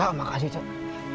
ya aku mau ke pasar cihidung